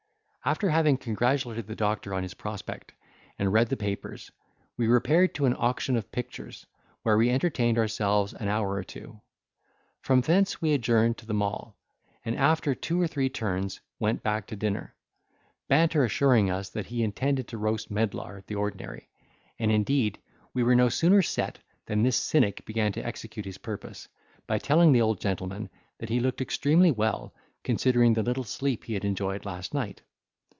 After having congratulated the doctor on his prospect, and read the papers, we repaired to an auction of pictures, where we entertained ourselves an hour or two; from thence we adjourned to the Mall, and, after two or three turns, went back to dinner, Banter assuring us, that he intended to roast Medlar at the ordinary; and, indeed, we were no sooner set than this cynic began to execute his purpose, by telling the old gentleman that he looked extremely well, considering the little sleep he had enjoyed last night.